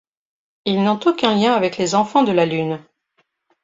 Ils n’ont aucun lien avec les Enfants de la Lune.